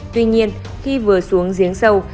tuy nhiên khi vừa xuống giếng sâu